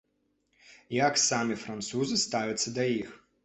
Як самі французы ставяцца да іх?